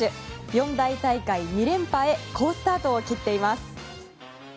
四大大会２連覇へ好スタートを切っています。